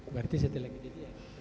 berarti setelah kejadian